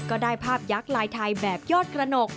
ก็ได้ภาพยักษ์ลายไทยแบบยอดกระหนก